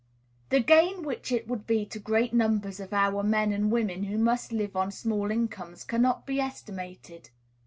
The gain which it would be to great numbers of our men and women who must live on small incomes cannot be estimated.